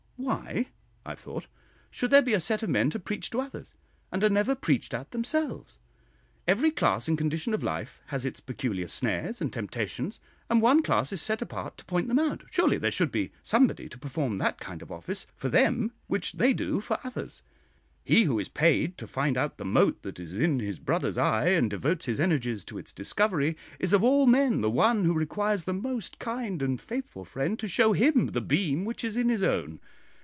"Why," I have thought, "should there be a set of men who preach to others, and are never preached at themselves? Every class and condition of life has its peculiar snares and temptations, and one class is set apart to point them out surely there should be somebody to perform that kind office for them which they do for others. He who is paid to find out the mote that is in his brother's eye, and devotes his energies to its discovery, is of all men the one who requires the most kind and faithful friend to show him the beam which is in his own.